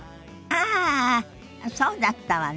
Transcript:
ああそうだったわね。